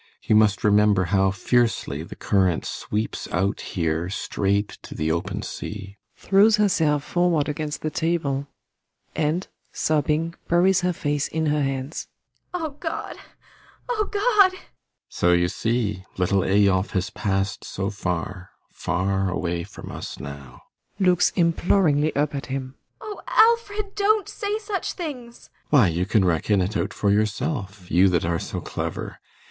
You must remember how fiercely the current sweeps out here straight to the open sea. ASTA. [Throws herself forward against the table, and, sobbing, buries her face in her hands.] Oh, God! Oh, God! ALLMERS. [Heavily.] So you see, little Eyolf has passed so far far away from us now. ASTA. [Looks imploringly up at him.] Oh, Alfred, don't say such things! ALLMERS. Why, you can reckon it out for yourself you that are so clever.